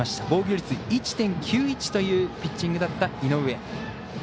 防御率１．９１というピッチングだった井上。